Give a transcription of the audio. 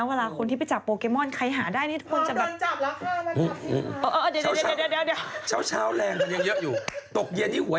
เมื่อหลายคนที่ไปจับโปรแกโมนถ้าใครหางานเ็บเดี๋ยว